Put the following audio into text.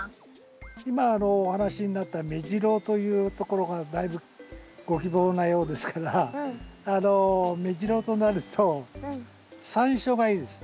今お話しになったメジロというところがだいぶご希望なようですからあのメジロとなるとサンショウがいいです。